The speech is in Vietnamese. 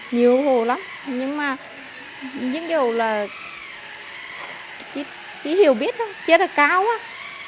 nhiều hồ lắm nhưng mà những điều là chỉ hiểu biết thôi chỉ là cao thôi